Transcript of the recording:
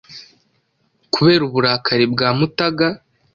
kubera uburakari bwa Mutaga.